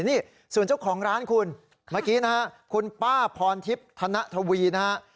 นี่ส่วนเจ้าของร้านคุณเมื่อกี้นะฮะคุณป้าพรทิพย์ธนทวีนะฮะ